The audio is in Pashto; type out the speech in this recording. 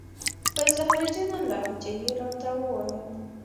په زهرجنه لهجه یې را ته و ویل: